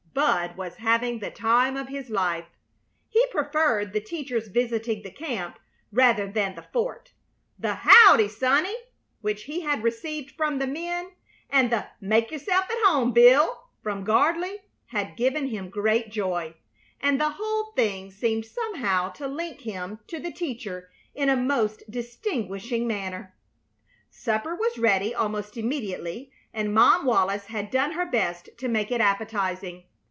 Bud was having the time of his life. He preferred the teacher's visiting the camp rather than the fort. The "Howdy, sonny!" which he had received from the men, and the "Make yourself at home, Bill" from Gardley, had given him great joy; and the whole thing seemed somehow to link him to the teacher in a most distinguishing manner. Supper was ready almost immediately, and Mom Wallis had done her best to make it appetizing.